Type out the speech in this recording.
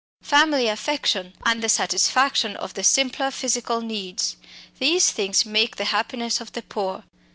Family affection and the satisfaction of the simpler physical needs these things make the happiness of the poor.